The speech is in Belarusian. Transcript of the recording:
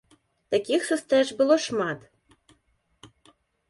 Такіх сустрэч было шмат.